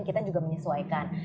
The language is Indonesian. kita juga menyesuaikan